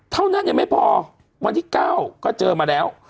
เท่านั้นยังไม่พอวันที่๙ก็เจอมาแล้ว